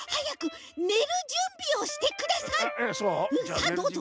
さあどうぞ。